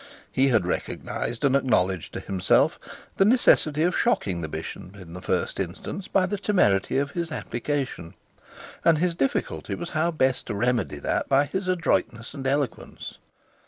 He had recognised and acknowledged, to himself the necessity of shocking the bishop in the first instance by the temerity of his application, and his difficulty was how best to remedy that by his adroitness and eloquence.